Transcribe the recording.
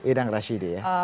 idang rashidi ya